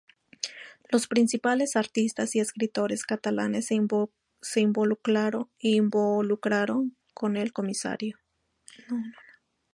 Los principales artistas y escritores catalanes se involucraron con el Comisariado.